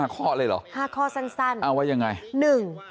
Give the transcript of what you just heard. ๕ข้อเลยเหรอเอาไว้อย่างไร๕ข้อสั้น